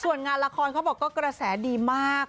ส่วนงานละครเขาบอกก็กระแสดีมาก